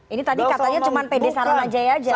ini tadi katanya cuma pd salam ajai aja